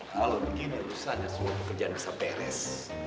kalau begini lulusan dan semoga pekerjaan bisa beres